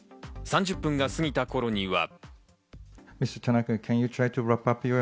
３０分が過ぎた頃には。